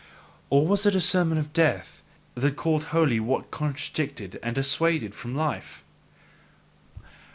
Or was it a sermon of death that called holy what contradicted and dissuaded from life?